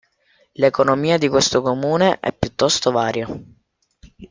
L'economia di questo comune è piuttosto varia.